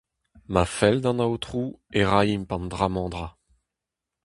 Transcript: Ma fell d’an Aotrou e raimp an dra-mañ-dra.